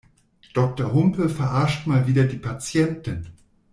Doktor Humpe verarscht mal wieder die Patienten.